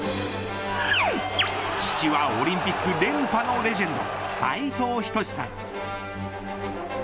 父はオリンピック連覇のレジェンド斉藤仁さん。